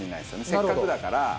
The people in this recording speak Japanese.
せっかくだから。